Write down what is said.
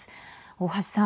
大橋さん。